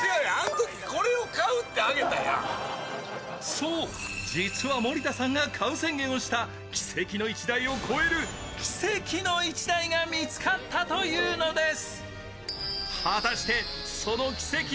そう、実は森田さんが買う宣言をした奇跡の１台を超える奇跡の１台が見つかったというのです。